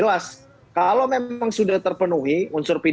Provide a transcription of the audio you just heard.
ada yang mengganti